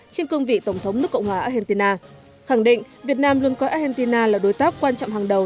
trên cương vị tổng thống nước cộng hòa argentina khẳng định việt nam luôn coi argentina là đối tác quan trọng hàng đầu